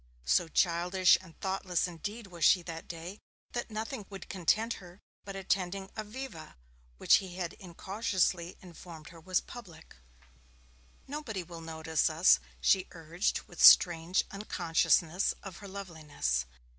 So childish and thoughtless indeed was she that day that nothing would content her but attending a 'Viva', which he had incautiously informed her was public. 'Nobody will notice us,' she urged with strange unconsciousness of her loveliness.